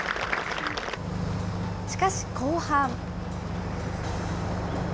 しかし、後半。